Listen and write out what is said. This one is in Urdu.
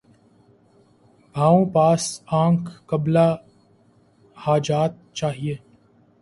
بھَوں پاس آنکھ قبلۂِ حاجات چاہیے